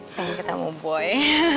pengen ketemu boy